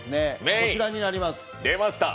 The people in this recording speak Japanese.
こちらになります；。